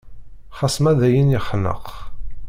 Xas ma dayen yexneq.